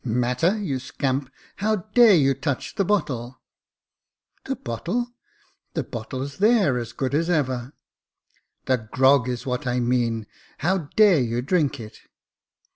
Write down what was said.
" Matter, you scamp ! How dare you touch the bottle?" The bottle — the bottle's there, as good as ever." The grog is what I mean — how dare you drink it